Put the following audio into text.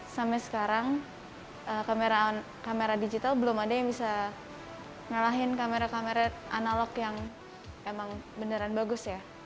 sampai sekarang kamera digital belum ada yang bisa ngalahin kamera kamera analog yang emang beneran bagus ya